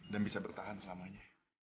dan bisa bertahan selamanya